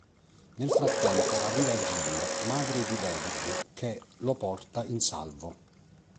Nel frattempo arriva Jill, madre di David che lo porta in salvo.